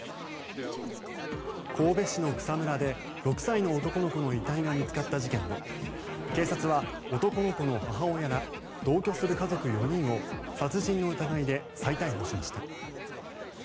神戸市の草むらで６歳の男の子の遺体が見つかった事件で警察は男の子の母親ら同居する家族４人を殺人の疑いで再逮捕しました。